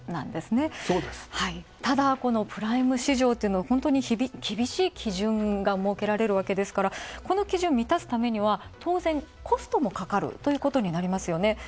ただこのプライム市場は、ほんとに厳しい基準が設けられるわけですからこの基準を満たすためには当然コストもかかるということになりますよね。